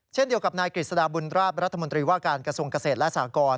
เช่นเดียวกับนายกฤษฎาบุญราชรัฐมนตรีว่าการกระทรวงเกษตรและสากร